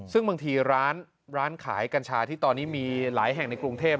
ซึ่งบางทีร้านขายกัญชาที่ตอนนี้มีหลายแห่งในกรุงเทพ